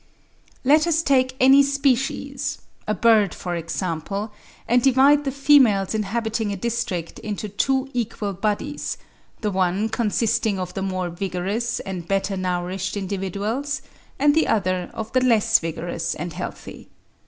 Let us take any species, a bird for instance, and divide the females inhabiting a district into two equal bodies, the one consisting of the more vigorous and better nourished individuals, and the other of the less vigorous and healthy.